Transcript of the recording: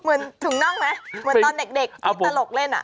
เหมือนถุงน่องไหมเหมือนตอนเด็กที่ตลกเล่นอ่ะ